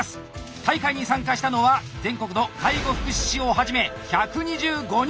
大会に参加したのは全国の介護福祉士をはじめ１２５人！